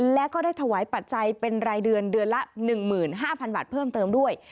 และก็ได้ถวายปัจจัยเป็นรายเดือนเดือนละ๑๕๐๐๐บาทเพิ่มเติมด้วย